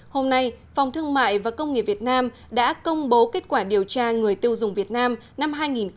hôm nay phòng thương mại và công nghiệp việt nam đã công bố kết quả điều tra người tiêu dùng việt nam năm hai nghìn một mươi chín